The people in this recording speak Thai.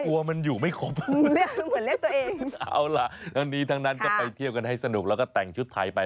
กลัวมันอยู่ไม่ครบเหมือนเรียกตัวเองเอาล่ะทั้งนี้ทั้งนั้นก็ไปเที่ยวกันให้สนุกแล้วก็แต่งชุดไทยไป